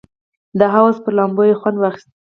د حوض پر لامبو یې خوند واخیست.